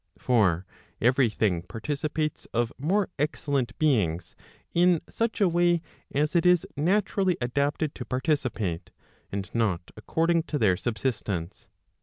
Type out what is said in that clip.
For every thing participates of more excellent beings in such a way as it is naturally adapted to participate, and not according to their subsistence.